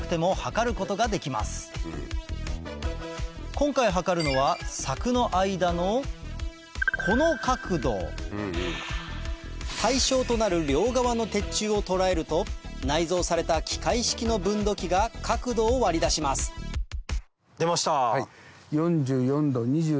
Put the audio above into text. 今回測るのは柵の間のこの角度対象となる両側の鉄柱を捉えると内蔵された機械式の分度器が角度を割り出します出ました。